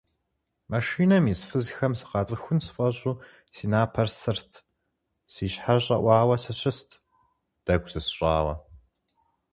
Машинэм ис фызхэм сыкъацӀыхун сфӀэщӀу си напэр сырт, си щхьэр щӀэӀуауэ сыщыст, дэгу зысщӀауэ.